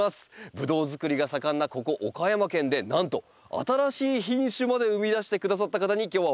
ブドウづくりが盛んなここ岡山県でなんと新しい品種まで生み出してくださった方に今日はお話を伺っていきます。